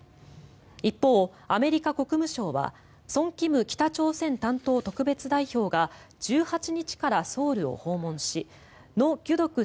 一方、アメリカ国務省はソン・キム北朝鮮担当特別代表が１８日からソウルを訪問しノ・ギュドク